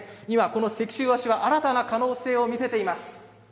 今この石州和紙は新たな可能性を見せています。